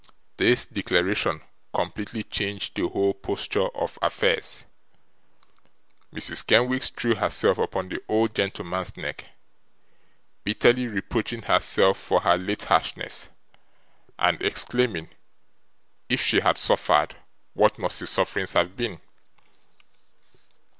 This declaration completely changed the whole posture of affairs. Mrs. Kenwigs threw herself upon the old gentleman's neck, bitterly reproaching herself for her late harshness, and exclaiming, if she had suffered, what must his sufferings have been!